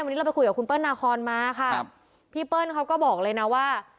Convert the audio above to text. วันนี้เราไปคุยกับคุณเปิ้ลนาคอนมาค่ะครับพี่เปิ้ลเขาก็บอกเลยนะว่า